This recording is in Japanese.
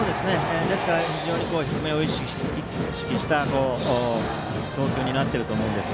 ですから低めを意識した投球になっていると思うんです。